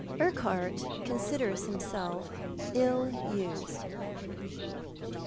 UEQUHART CONSIDERS HIMSELF ILL USED.